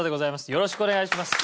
よろしくお願いします。